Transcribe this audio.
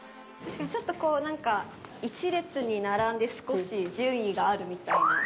ちょっとこうなんか１列に並んで少し順位があるみたいな。